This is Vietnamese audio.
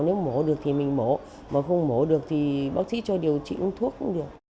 nếu mổ được thì mình mổ mà không mổ được thì bác sĩ cho điều trị uống thuốc cũng được